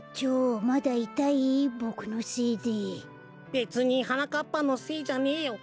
べつにはなかっぱのせいじゃねえよ。